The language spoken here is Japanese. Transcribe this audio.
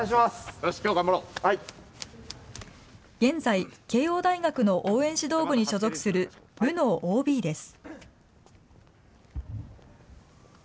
よし、現在、慶応大学のおう援指導部に所属する部のＯＢです。